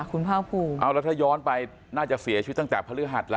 คุณภาคภูมิเอาแล้วถ้าย้อนไปน่าจะเสียชีวิตตั้งแต่พฤหัสแล้ว